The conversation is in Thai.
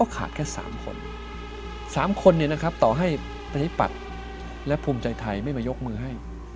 แค่๓คน๓คนเนี่ยนะครับต่อให้ปริศนาปัจป์และภูมิใจไทยไม่มายกมือให้